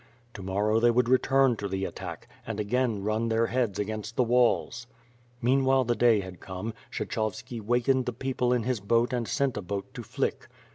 To morow they will return to the attack, and again run their heads against the walls." Meanwhile the day had come; Kshechovski wakened the people in his boat, and sent a boat to Flick.